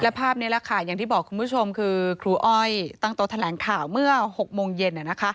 ภาพนี้แหละค่ะอย่างที่บอกคุณผู้ชมคือครูอ้อยตั้งโต๊ะแถลงข่าวเมื่อ๖โมงเย็น